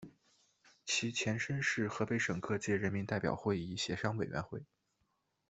其前身是河北省各界人民代表会议协商委员会。